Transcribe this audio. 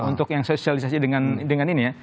untuk yang sosialisasi dengan ini ya